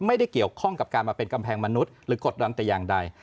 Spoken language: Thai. ไม่ได้เกี่ยวข้องกับการมาเป็นกำแพงมนุษย์หรือกดดันแต่อย่างใด